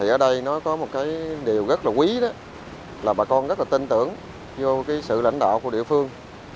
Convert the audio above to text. ở đây có một điều rất quý là bà con rất tin tưởng vào sự lãnh đạo của địa phương